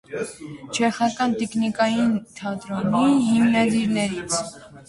Չեխական տիկնիկային թատրոնի հիմնադիրներից։